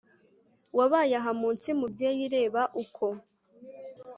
wabaye aha mu nsi mubyeyi; reba uko